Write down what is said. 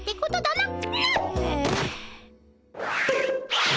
なっ！